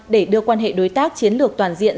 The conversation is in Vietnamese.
để đưa quan hệ đối tác chiến lược toàn diện